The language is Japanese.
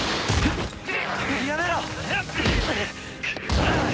やめろ！